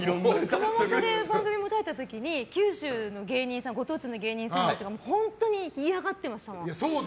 熊本で番組持たれてた時に九州のご当地の芸人さんたちが冷え上がってましたもん。